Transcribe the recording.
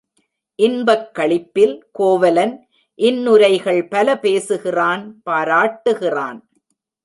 இன்பக் களிப்பில் கோவலன் இன்னுரைகள் பல பேசுகிறான் பாராட்டுகிறான்.